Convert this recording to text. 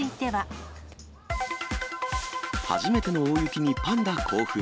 初めての大雪にパンダ興奮。